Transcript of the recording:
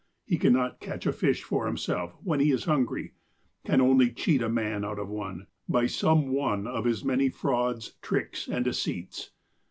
He cannot catch a fish for himself when he is hungry — can only cheat a man out of one, by some one of his many frauds, tricks and deceits.